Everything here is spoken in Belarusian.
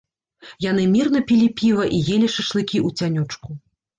Яны мірна пілі піва і елі шашлыкі ў цянёчку.